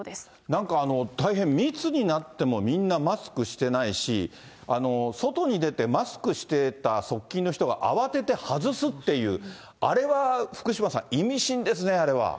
なんか大変密になってもみんなマスクしてないし、外に出てマスクしてた側近の人が、慌てて外すっていう、あれは福島さん、意味深ですね、あれは。